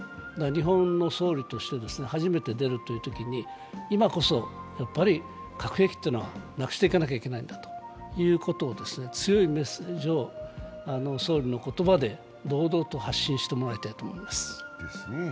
日本の総理として初めて出るというときに、今こそ核兵器というのはなくしていかなきゃいけないんだということを強いメッセージを総理の言葉で堂々と発信してもらいたいと思います。